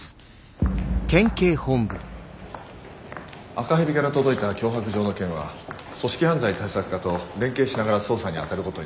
赤蛇から届いた脅迫状の件は組織犯罪対策課と連携しながら捜査に当たることになります。